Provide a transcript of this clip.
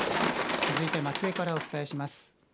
続いて松江からお伝えします。